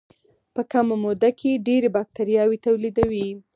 په کمه موده کې ډېرې باکتریاوې تولیدوي.